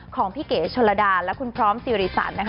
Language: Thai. ของพี่เก๋ชนระดาและคุณพร้อมสิริสันนะคะ